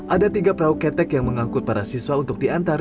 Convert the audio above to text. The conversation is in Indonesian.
ada tiga perahu ketek yang mengangkut para siswa untuk diantar